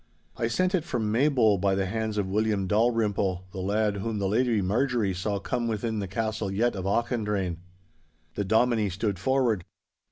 I sent it from Maybole by the hands of William Dalrymple, the lad whom the Lady Marjorie saw come within the castle yett of Auchendrayne.' The Dominie stood forward.